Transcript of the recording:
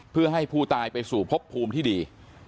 เพื่อให้ผู้ตายไปสู่พบภูมิที่ดี